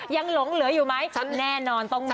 หลงเหลืออยู่ไหมแน่นอนต้องมา